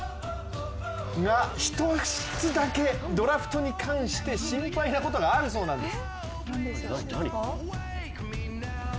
が一つだけ、ドラフトに関して心配なことがあるそうなんです。